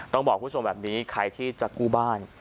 ต้องบอกคุณผู้ชมแบบนี้ใครที่จะกู้บ้าน